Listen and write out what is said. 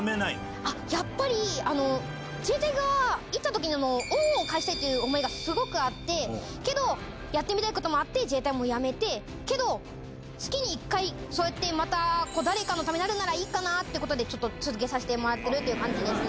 あっ、やっぱり、自衛隊がいたときに、恩を返したいという思いがすごくあって、けど、やってみたいこともあって、自衛隊辞めて、けど、月に１回、そうやってまた誰かのためになるならいいかなということで、ちょっと続けさせてもらってるって感じですね。